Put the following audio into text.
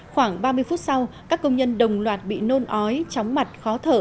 khoảng ba mươi phút sau các công nhân đồng loạt bị nôn ói chóng mặt khó thở